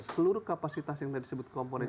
seluruh kapasitas yang tadi disebut komponen